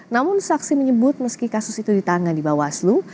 namun saksi menyebut meski kasus itu ditangani bawaslu